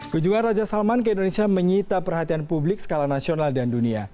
kunjungan raja salman ke indonesia menyita perhatian publik skala nasional dan dunia